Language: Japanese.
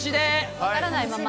分からないまま。